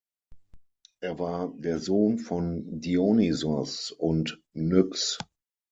Er war der Sohn von Dionysos und Nyx.